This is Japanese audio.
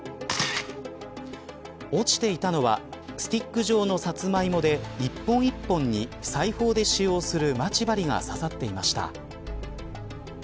落ちていたのはスティック状のサツマイモで一本一本に裁縫で使用するまち針が刺さっていました。